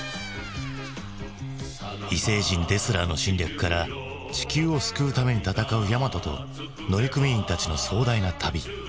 異星人デスラーの侵略から地球を救うために戦うヤマトと乗組員たちの壮大な旅。